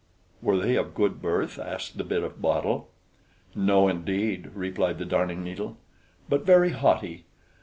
"Were they of good birth?" asked the Bit of Bottle. "No, indeed," replied the Darning needle: "but very haughty.